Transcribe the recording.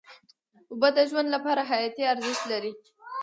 اوبه د ژوند لپاره حیاتي ارزښت لري.